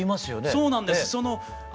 そうなんです。